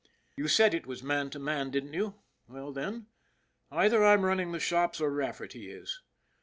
You said it was man to man, didn't you ? Well, then, either I'm running the shops or Rafferty is.